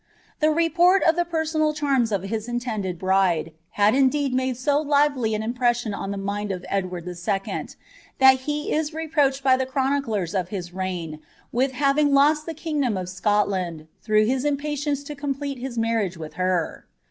The i«i>ort of the personal cbarius of hts intended bride, had indeed (utdi! so lirely an impreEsioa on ihe iiiitid of Edwud II., iliai he is itpnwched by the chroniclers of his reign with having lost liie kingdom nf Scotland, through his impatience to complete his marriage with her.'